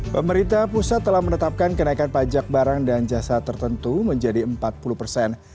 pemerintah pusat telah menetapkan kenaikan pajak barang dan jasa tertentu menjadi empat puluh persen